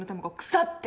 腐ってる。